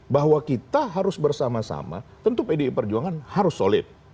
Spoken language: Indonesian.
bahwa kita harus bersama sama tentu pdi perjuangan harus solid